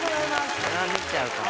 それは見ちゃうかも。